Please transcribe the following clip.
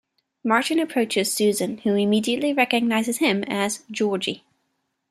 Martin approaches Susan who immediately recognises him as "Georgie".